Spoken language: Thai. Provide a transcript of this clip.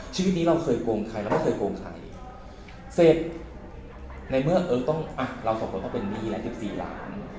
ชีวิตนี้เราเคยโกงใครเราไม่เคยโกงใครเสร็จในเมื่อต้องอ่ะเราสองคนต้องเป็นหนี้แล้ว๑๔ล้าน